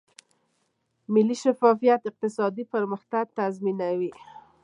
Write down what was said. مالي شفافیت اقتصادي پرمختګ تضمینوي.